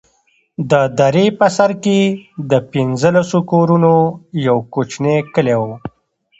د درې په سر کښې د پنځلسو كورونو يو كوچنى كلى و.